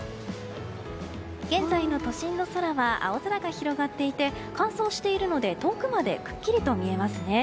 現在の都心の空は青空が広がっていて乾燥しているので遠くまでくっきりと見えますね。